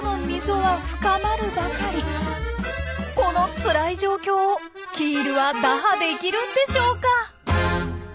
このつらい状況をキールは打破できるんでしょうか？